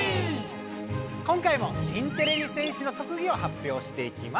今回も新てれび戦士の特技を発表していきます。